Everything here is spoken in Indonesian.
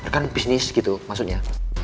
kan bisnis gitu maksudnya